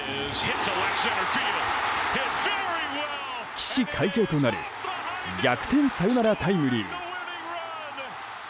起死回生となる逆転サヨナラタイムリー！